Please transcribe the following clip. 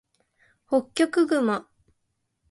ホッキョクグマ